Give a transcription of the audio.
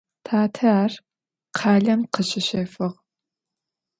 Татэ ар къалэм къыщищэфыгъ.